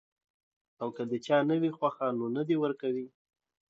او کۀ د چا نۀ وي خوښه نو نۀ دې ورکوي -